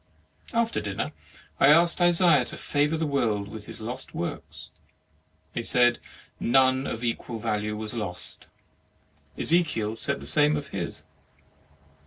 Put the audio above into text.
After dinner I asked Isaiah to favour the world with his lost works; he said none of equal value was lost. Ezekiel said the same of his.